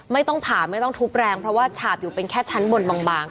ไม่ต้องผ่าไม่ต้องทุบแรงเพราะว่าฉาบอยู่เป็นแค่ชั้นบนบาง